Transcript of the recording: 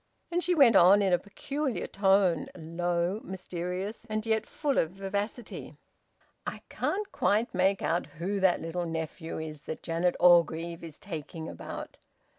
And she went on in a peculiar tone, low, mysterious, and yet full of vivacity: "I can't quite make out who that little nephew is that Janet Orgreave is taking about."